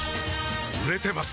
売れてます